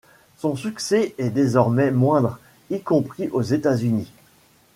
Son succès est désormais moindre, y compris aux États-Unis.